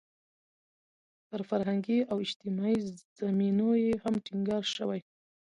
پر فرهنګي او اجتماعي زمینو یې هم ټینګار شوی.